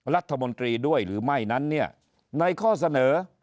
รัฐมนตรีด้วยหรือไม่นั้นเงียบใส่ค่าเสนอ